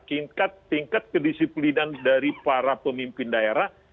tingkat kedisiplinan dari para pemimpin daerah